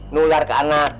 nular ke anak